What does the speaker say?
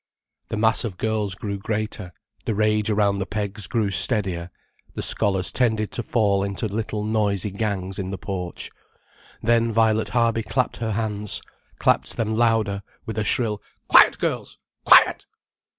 The mass of girls grew greater, the rage around the pegs grew steadier, the scholars tended to fall into little noisy gangs in the porch. Then Violet Harby clapped her hands, clapped them louder, with a shrill "Quiet, girls, quiet!"